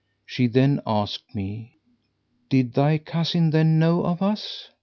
She then asked me, "Did thy cousin then know of us?"